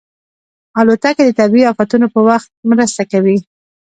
الوتکه د طبیعي افتونو په وخت مرسته کوي.